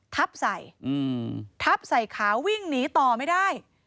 ทับใส่ทับใส่ขาวิ่งหนีต่อไม่ได้